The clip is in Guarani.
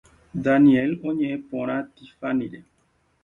Daniel oñe’ẽ porã Tiffanyre.